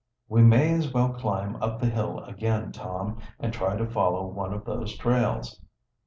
"We may as well climb up the hill again, Tom, and try to follow one of those trails."